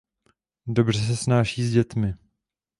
Dobře se snáší s dětmi.